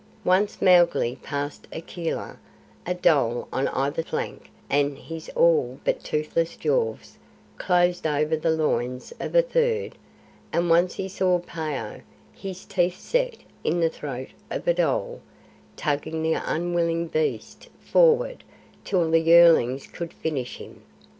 Once Mowgli passed Akela, a dhole on either flank, and his all but toothless jaws closed over the loins of a third; and once he saw Phao, his teeth set in the throat of a dhole, tugging the unwilling beast forward till the yearlings could finish him.